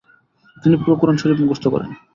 তিনি পুরো কুরআন শরিফ মুখস্থ করেন।